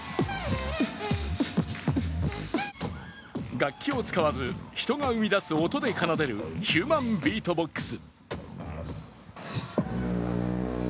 楽器を使わず、人が生み出す音で奏でるヒューマンビートボックス。